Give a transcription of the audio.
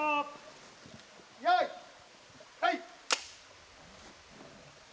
よいはい！